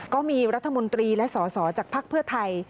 ก็มีรัฐมนตรีและสอสอจากภักดิ์เพื่อไทย